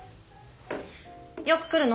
よく来るの？